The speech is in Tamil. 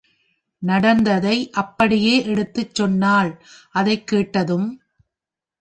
நடந்ததை அப்படியே எடுத்துச் சொன்னாள் அதைக் கேட்டதும்!